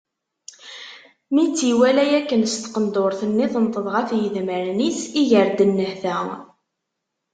Mi tt-iwala akken s taqendurt-nni tenṭeḍ ɣef yedmaren-is, iger-d nnehta.